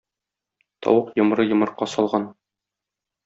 Тавык йомры йомырка салган.